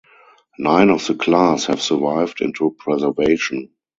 Nine of the class have survived into preservation.